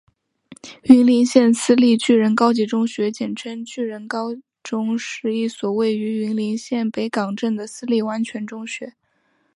云林县私立巨人高级中学简称巨人高中是一所位于云林县北港镇的私立完全中学。